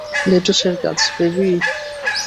লেটুসের গাছ, বেবি!